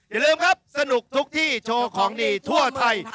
อย่าลืมครับสนุกทุกที่โชว์ของดีทั่วไทย